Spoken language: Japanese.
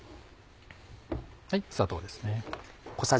砂糖ですね。